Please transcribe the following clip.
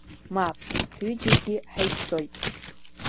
Мап, ҳҩыџьегьы ҳаиццоит.